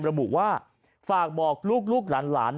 ระบุว่าฝากบอกลูกหลาน